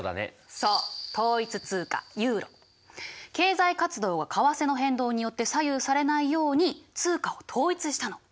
そう経済活動が為替の変動によって左右されないように通貨を統一したの。